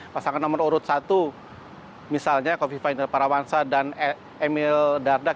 pasangan nomor urut satu misalnya kofifa inder parawansa dan emil dardak